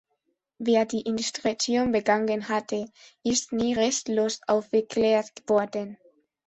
Wer die Indiskretion begangen hatte, ist nie restlos aufgeklärt worden.